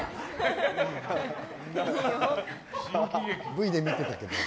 Ｖで見てたけど。